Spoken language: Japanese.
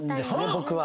僕は。